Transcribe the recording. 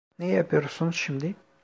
Ne yapıyorsun şimdi?